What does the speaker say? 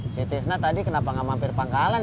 setesna tadi kenapa nggak mampir pangkalan ya